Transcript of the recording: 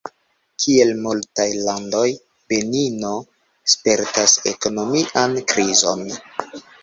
Kiel multaj landoj, Benino spertas ekonomian krizon.